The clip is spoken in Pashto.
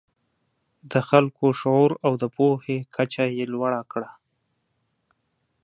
د خلکو شعور او د پوهې کچه یې لوړه کړه.